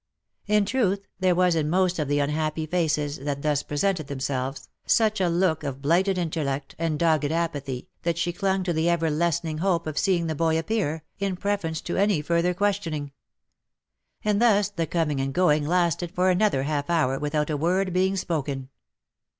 In truth there was in most of the unhappy faces that thus presented themselves, such a look of blighted intellect, and dogged apathy, that she clung to the ever lessening hope of seeing the boy appear, in preference to any further questioning. And thus the coming and going lasted for another rralf hour without a word being spoken.